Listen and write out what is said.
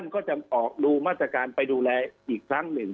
กางไปดูแลอีกครั้งหนึ่ง